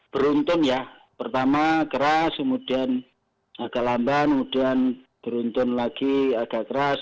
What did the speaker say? beruntung ya pertama keras kemudian agak lamban kemudian beruntun lagi agak keras